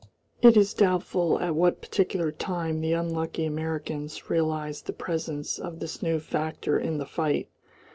It is doubtful at what particular time the unlucky Americans realised the presence of this new factor in the fight.